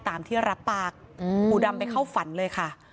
ตามที่รับปากปูดำไปเข้าฝันเลยค่ะ